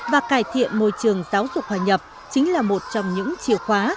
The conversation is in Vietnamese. và cải thiện môi trường giáo dục hòa nhập chính là một trong những chìa khóa